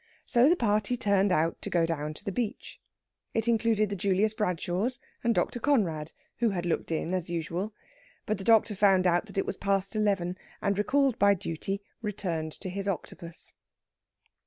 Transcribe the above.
So the party turned out to go down to the beach. It included the Julius Bradshaws and Dr. Conrad, who had looked in as usual. But the doctor found out that it was past eleven, and, recalled by duty, returned to his Octopus.